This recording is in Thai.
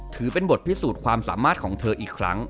ถือเป็นบทพิสูจน์ความสามารถของเธออีกครั้ง